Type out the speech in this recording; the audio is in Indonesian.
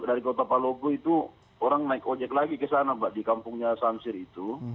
jadi dari kota palau itu orang naik ojek lagi ke sana pak di kampungnya samsiri itu